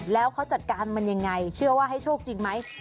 แล้วเขาจัดการมันยังไงเชื่อว่าให้โชคจริงไหม